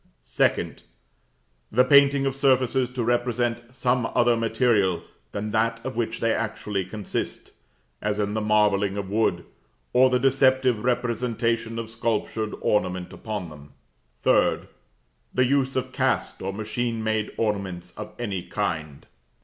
2d. The painting of surfaces to represent some other material than that of which they actually consist (as in the marbling of wood), or the deceptive representation of sculptured ornament upon them. 3d. The use of cast or machine made ornaments of any kind.